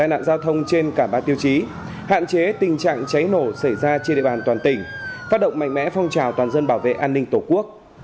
nổ xảy ra trên địa bàn toàn tỉnh phát động mạnh mẽ phong trào toàn dân bảo vệ an ninh tổ quốc